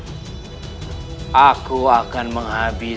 mereka pun akan tetap menemukan kini